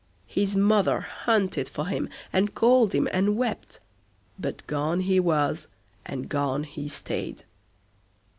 His mother hunted for him, and called him, and wept; but gone he was, and gone he stayed.